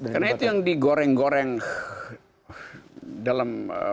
karena itu yang digoreng goreng dalam